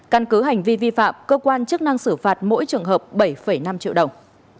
căn cứ hành vi vi phạm cơ quan chức năng xử phạt mỗi trường hợp bảy năm triệu đồng